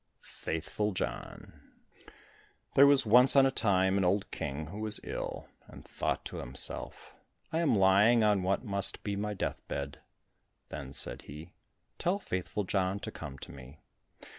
6 Faithful John There was once on a time an old king who was ill, and thought to himself, "I am lying on what must be my death bed." Then said he, "Tell Faithful John to come to me."